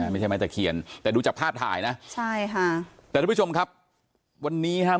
ไม่ใช่ไม้ตะเคียนแต่ดูจากภาพถ่ายไหม